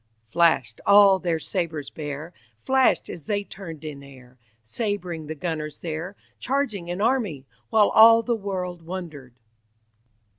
"Flashed all their sabres bare, Flashed as they turned in air, Sabring the gunners there, Charging an army, while All the world wonder'd."